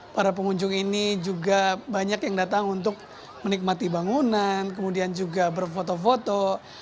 para pengunjung ini juga banyak yang datang untuk menikmati bangunan kemudian juga berfoto foto